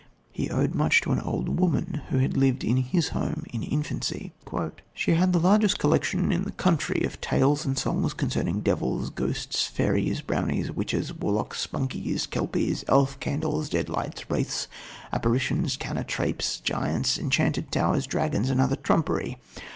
He owed much to an old woman who lived in his home in infancy: "She had ... the largest collection in the country of tales and songs concerning devils, ghosts, fairies, brownies, witches, warlocks, spunkies, kelpies, elf candles, dead lights, wraiths, apparitions, cantraips, giants, enchanted towers, dragons and other trumpery.